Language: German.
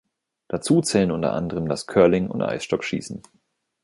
Dazu zählen unter anderem das Curling und Eisstockschießen.